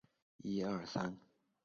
能够用时空图表达流水线